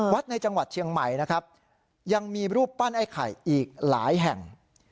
ในจังหวัดเชียงใหม่นะครับยังมีรูปปั้นไอ้ไข่อีกหลายแห่ง